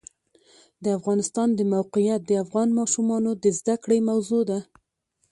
د افغانستان د موقعیت د افغان ماشومانو د زده کړې موضوع ده.